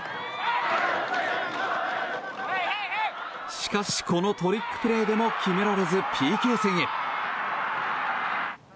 しかし、このトリックプレーでも決められずＰＫ戦へ。